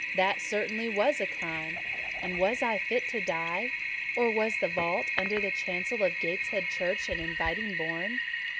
That certainly was a crime: and was I fit to die? Or was the vault under the chancel of Gateshead Church an inviting bourne?